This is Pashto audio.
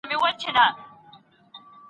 ځوانان پرې بحث کوي کله.